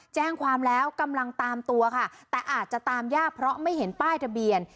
แจ้งความแล้วกำลังตามตัวค่ะแต่อาจจะตามยากเพราะไม่เห็นป้ายทะเบียน